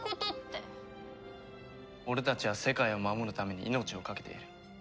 俺たちは世界を守るために命をかけている。